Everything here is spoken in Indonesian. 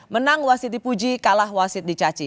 menang wasit dipuji kalah wasit dicaci